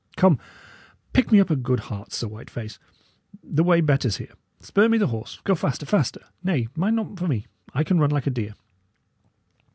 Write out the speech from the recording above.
Come, pick me up a good heart, Sir White face. The way betters here; spur me the horse. Go faster! faster! Nay, mind not for me; I can run like a deer."